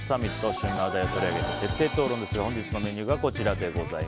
旬な話題を取り上げて徹底討論ですが本日のメニューがこちら。